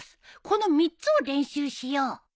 この３つを練習しよう。